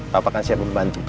papa kan siap membantu